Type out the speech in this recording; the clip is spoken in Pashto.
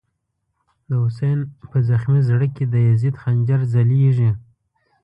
د «حسین» په زغمی زړه کی، د یزید خنجر ځلیږی